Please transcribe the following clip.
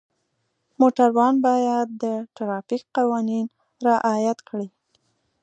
موټروان باید د ټرافیک قوانین رعایت کړي.